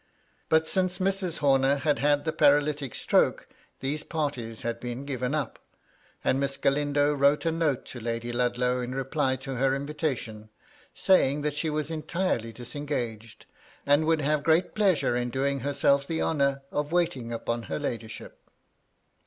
But since Mrs. Homer had had the paralytic stroke these parties had been given up; and Miss Galindo wrote a note to Lady Ludlow in reply to her invitation, saying that she was entirely disengaged, and would have great pleasure in doing herself the honour of waiting upon her ladyship.